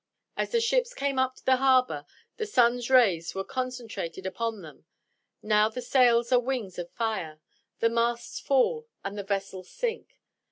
As the ships came up the harbor, the sun's rays were concentrated upon them: now the sails are wings of fire; the masts fall, and the vessels sink.